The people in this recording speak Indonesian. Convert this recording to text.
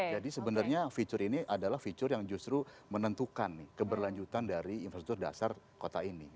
jadi sebenarnya fitur ini adalah fitur yang justru menentukan keberlanjutan dari infrastruktur dasar kota ini